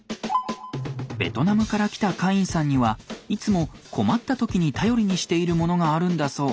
ベトナムから来たカインさんにはいつも困った時に頼りにしているものがあるんだそう。